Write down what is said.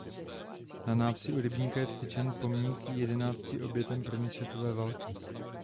Na návsi u rybníka je vztyčen pomník jedenácti obětem první světové války.